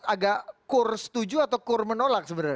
agak kur setuju atau kur menolak sebenarnya